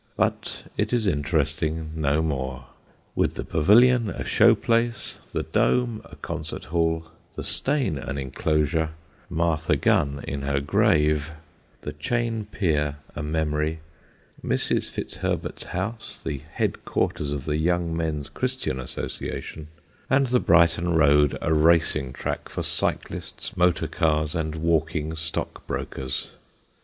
But it is interesting no more, with the Pavilion a show place, the Dome a concert hall, the Steyne an enclosure, Martha Gunn in her grave, the Chain Pier a memory, Mrs. Fitzherbert's house the headquarters of the Young Men's Christian Association, and the Brighton road a racing track for cyclists, motor cars and walking stockbrokers.